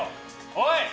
おい！